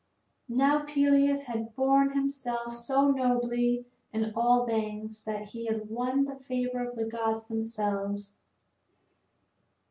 Now Peleus had borne himself so nobly in all things that he had won the favor of the gods themselves.